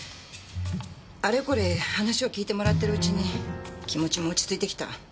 あれこれ話を聞いてもらってるうちに気持ちも落ち着いてきた。